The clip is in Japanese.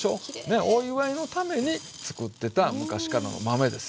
お祝いのために作ってた昔からの豆ですよね。